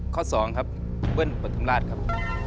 ข้อ๒ครับเบิ้ลปฐุมราชครับ